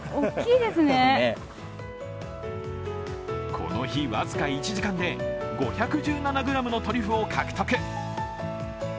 この日僅か１時間で５１７ｇのトリュフを獲得。